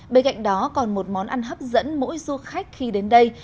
bên cạnh đó còn một món ăn hấp dẫn mỗi du khách khi đến đây